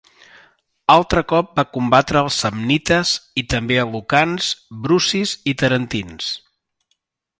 Altre cop va combatre als samnites, i també a lucans, brucis i tarentins.